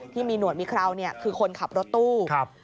ที่มีหนวดมีเคราวคือคนขับรถตู้